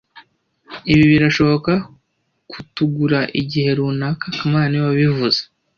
Ibi birashobora kutugura igihe runaka kamana niwe wabivuze